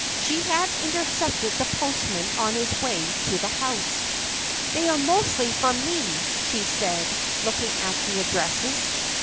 She had intercepted the postman on his way to the house. "They are mostly for me," she said, looking at the addresses.